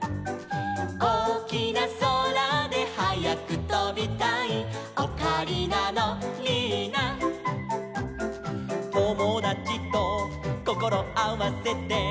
「おおきなそらではやくとびたい」「オカリナのリーナ」「ともだちとこころあわせて」